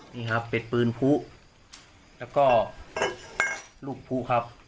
นี่ครับเป็นปืนผู้แล้วก็ลูกผู้ครับ